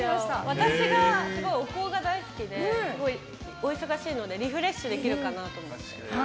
私がすごいお香が大好きですごいお忙しいのでリフレッシュできるかなと。